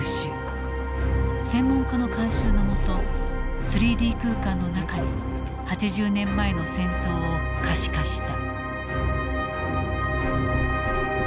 専門家の監修の下３Ｄ空間の中に８０年前の戦闘を可視化した。